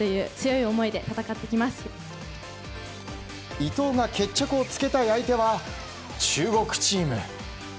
伊藤が決着をつけたい相手は中国チーム。